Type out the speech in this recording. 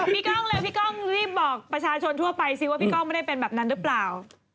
กล้องเลยพี่ก้องรีบบอกประชาชนทั่วไปสิว่าพี่ก้องไม่ได้เป็นแบบนั้นหรือเปล่า